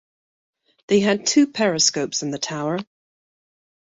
They had two periscopes in the tower.